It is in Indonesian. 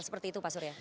seperti itu pak surya